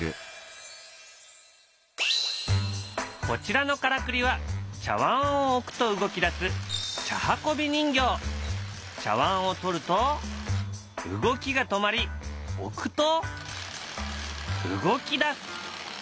こちらのからくりは茶わんを置くと動き出す茶わんを取ると動きが止まり置くと動き出す。